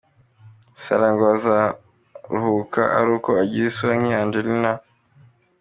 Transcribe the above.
Sarah ngo azaruhuka ari uko agize isura nk’iya Angelina.